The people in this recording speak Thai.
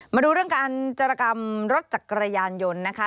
มาดูเรื่องการจรกรรมรถจักรยานยนต์นะคะ